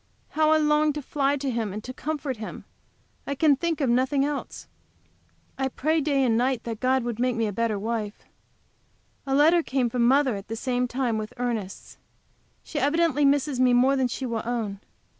How I long to fly to him and to comfort him! I can think of nothing else. I pray day and night that God would make me a better wife. A letter came from mother at the same time with Ernest's. She evidently misses me more than she will own.